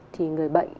thì người bệnh